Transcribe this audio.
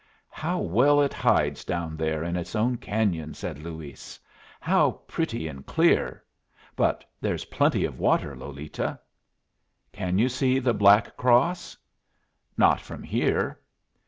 "How well it hides down there in its own cañon!" said Luis. "How pretty and clear! But there's plenty of water, Lolita." "Can you see the Black Cross?" "Not from here."